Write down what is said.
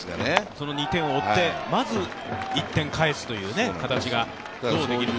その２点を追って、まず１点返すという形がどうできるのか。